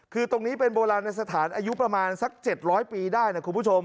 คือตรงนี้เป็นโบราณสถานอายุประมาณสัก๗๐๐ปีได้นะคุณผู้ชม